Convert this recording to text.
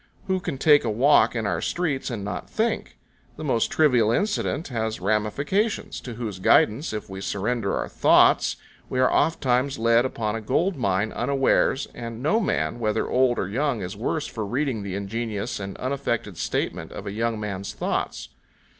Who can take a walk in our streets and not think? The most trivial incident has ramifications, to whose guidance if we surrender our thoughts, we are oft times led upon a gold mine unawares, and no man whether old or young is worse for reading the ingenuous and unaffected statement of a young man's thoughts.